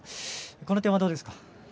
この点は、どうですか？